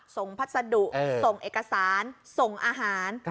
พัสดุส่งเอกสารส่งอาหาร